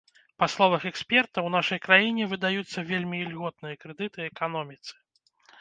Па словах эксперта, у нашай краіне выдаюцца вельмі ільготныя крэдыты эканоміцы.